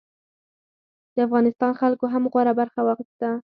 د افغانستان خلکو هم غوره برخه واخیسته.